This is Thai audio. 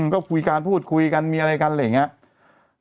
ก็คุยกันพูดคุยกันมีอะไรกันอะไรอย่างนี้